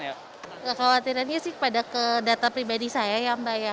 kekhawatirannya sih pada data pribadi saya yang membahayakan